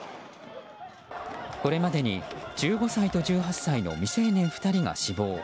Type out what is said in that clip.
これまでに、１５歳と１８歳の未成年２人が死亡。